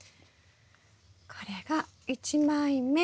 これが１枚目。